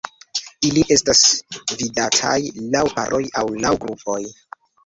Ili estas vidataj laŭ paroj aŭ laŭ grupoj.